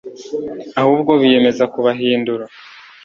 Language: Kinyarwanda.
ahubwo biyemeza kubahindura